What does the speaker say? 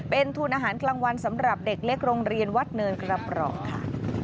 เป็นทุนอาหารกลางวันสำหรับเด็กเล็กโรงเรียนวัดเนินกระเปราะค่ะ